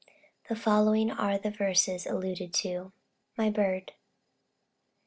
The following are the verses alluded to: MY BIRD.